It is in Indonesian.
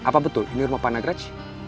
apa betul ini rumah panagraj